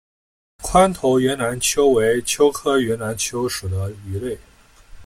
宽头云南鳅为鳅科云南鳅属的鱼类。